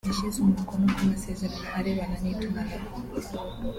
yashyize umukono ku masezerano arebana n’itumanaho